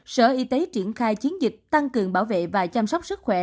sở y tế triển khai chiến dịch tăng cường bảo vệ và chăm sóc sức khỏe